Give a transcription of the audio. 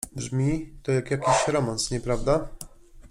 Brzmi to jak jakiś romans, nieprawda?